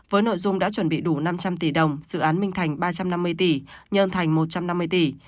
với nội dung đã chuẩn bị đủ năm trăm linh tỷ đồng dự án minh thành ba trăm năm mươi tỷ nhân thành một trăm năm mươi tỷ